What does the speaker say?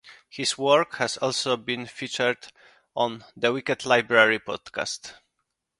His work has also been featured on "The Wicked Library" podcast.